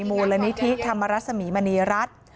มูลนิธิธรรมรสมีมณีรัฐ